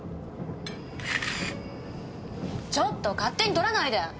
ちょっと勝手に撮らないで！